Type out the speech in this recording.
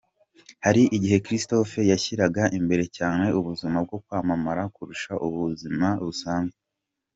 Hari igihe Christophe yashyiraga imbere cyane ubuzima bwo kwamamara kurusha ubuzima busanzwe.